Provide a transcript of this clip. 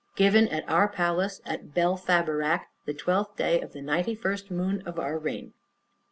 Given at our palace at Belfaborac, the twelfth day of the ninety first moon of our reign.